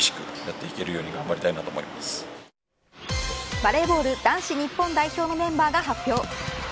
バレーボール男子日本代表のメンバーが発表。